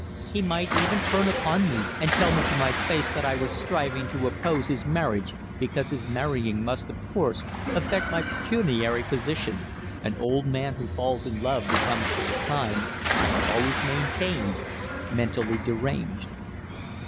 He might even turn upon me and tell me to my face that I was striving to oppose his marriage because his marrying must, of course, affect my pecuniary position an old man who falls in love becomes for the time, I have always maintained, mentally deranged.